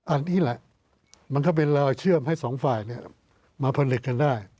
อันนี้แหละมันก็เป็นรอยเชื่อมให้สองฝ่ายมาผนึกกันได้